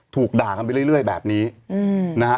ถูกด่ากันไปเรื่อยแบบนี้นะฮะ